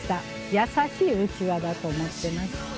優しいうちわだと思ってます。